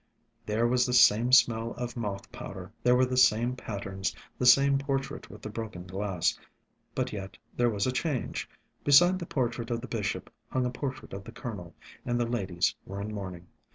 There was the same smell of moth powder; there were the same patterns, the same portrait with the broken glass. But yet there was a change. Beside the portrait of the bishop hung a portrait of the Colonel, and the ladies were in mourning.